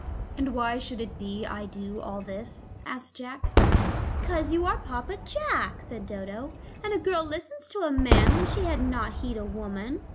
"And why should it be I to do all this?" asked Jack. "Because you are Papa Jack," said Dodo, "and a girl listens to a man when she would not heed a woman.